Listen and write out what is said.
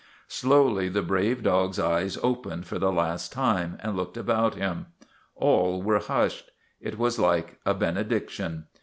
Slowly the brave dog's eyes opened for the last time and looked about him. All were hushed; it was like a benediction.